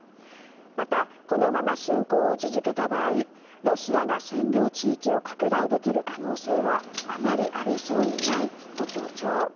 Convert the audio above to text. また、このまま侵攻を続けた場合ロシアが占領地域を拡大できる可能性はあまりありそうにないと強調。